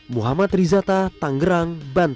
muhammad rizata tangerang banten